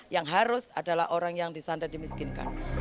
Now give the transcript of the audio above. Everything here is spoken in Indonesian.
yang harus adalah orang yang disandar dimiskinkan